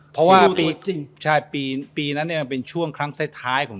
เพราะว่าปีนั้นเนี่ยมันเป็นช่วงครั้งสุดท้ายของ